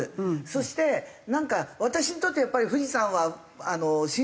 そしてなんか私にとってやっぱり富士山は神聖な場所なので。